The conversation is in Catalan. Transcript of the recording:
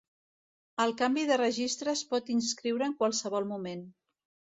El canvi de registre es pot inscriure en qualsevol moment.